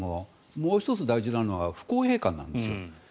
もう１つ大事なのは不公平感なんですよ。